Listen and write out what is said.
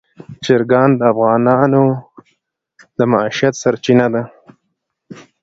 چرګان د افغانانو د معیشت سرچینه ده.